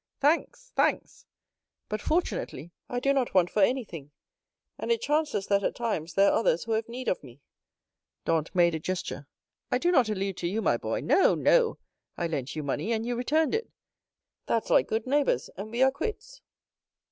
"Thanks—thanks; but, fortunately, I do not want for anything; and it chances that at times there are others who have need of me." Dantès made a gesture. "I do not allude to you, my boy. No!—no! I lent you money, and you returned it; that's like good neighbors, and we are quits."